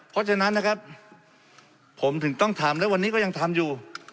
เพราะฉะนั้นนะครับผมถึงต้องทำและวันนี้ก็ยังทำอยู่